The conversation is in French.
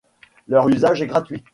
Leur usage est gratuit.